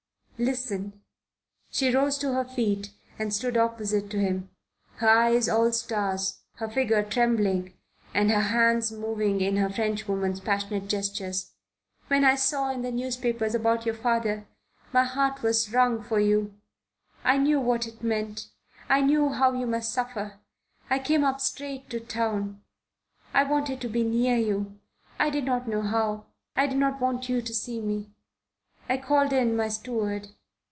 Listen!" She rose to her feet and stood opposite to him, her eyes all stars, her figure trembling and her hands moving in her Frenchwoman's passionate gestures. "When I saw in the newspapers about your father, my heart was wrung for you. I knew what it meant. I knew how you must suffer. I came up straight to town. I wanted to be near you. I did not know how. I did not want you to see me. I called in my steward.